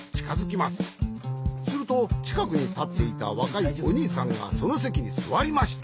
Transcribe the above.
するとちかくにたっていたわかいおにいさんがそのせきにすわりました。